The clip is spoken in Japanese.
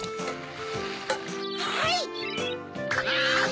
はい！